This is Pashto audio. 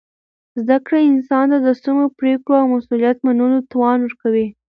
زده کړه انسان ته د سمو پرېکړو او مسؤلیت منلو توان ورکوي.